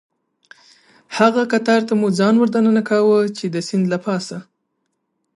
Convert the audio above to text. هغه قطار ته مو ځان وردننه کاوه، چې د سیند له پاسه.